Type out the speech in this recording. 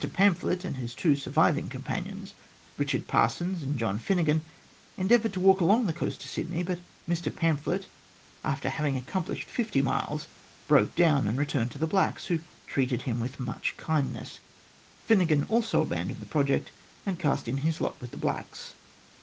Pamphlet and his two surviving companions, Kichard Parsons and John Pinnegan, endeavoured to walk along the coast to Sydney, but Pamphlet, after having accomplished fifty miles, broke down and returned to the blacks, who treated him with much kindness. Finnegan also abandoned the project and cast in his lot with the blacks.